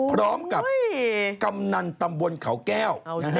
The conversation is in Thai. พร้อมกับกำนันตำบลขาวแก้ว